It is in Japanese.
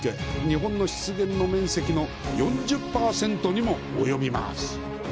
日本の湿原の面積の４０％にも及びます。